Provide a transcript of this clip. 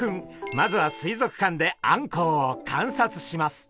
まずは水族館であんこうを観察します。